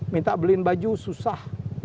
minta beliin baju susah